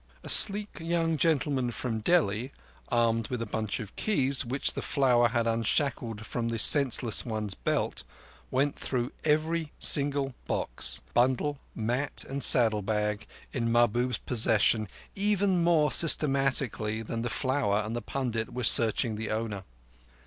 A sleek young gentleman from Delhi, armed with a bunch of keys which the Flower had unshackled from the senseless one's belt, went through every single box, bundle, mat, and saddle bag in Mahbub's possession even more systematically than the Flower and the pundit were searching the owner.